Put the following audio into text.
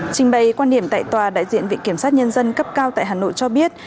trình bày quan điểm tại tòa đại diện viện kiểm sát nhân dân cấp cao tại hà nội cho biết